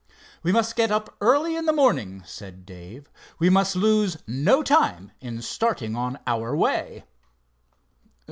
"We must get up early in the morning," said Dave. "We must lose no time in starting on our way."